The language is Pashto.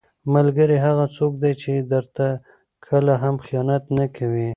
ملګری هغه څوک دی چې درته کله هم خیانت نه کوي.